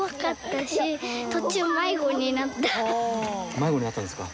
迷子になったんですか？